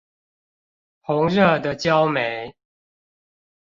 紅熱的焦煤